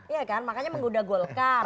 iya kan makanya menggoda golkar